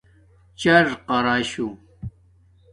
چیراقاشُݸ